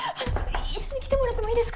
一緒に来てもらってもいいですか？